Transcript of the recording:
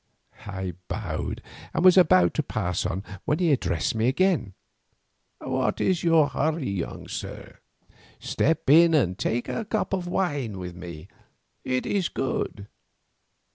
I bowed, and was about to pass on, when he addressed me again. "What is your hurry, young sir? Step in and take a cup of wine with me; it is good."